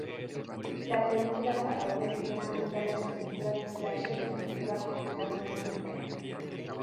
La película parodia ligeramente a las películas Slasher y la cultura popular nórdica.